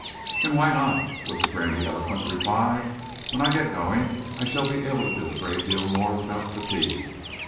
"And why not?" was the grandiloquent reply. "When I get going, I shall be able to do a great deal more without fatigue.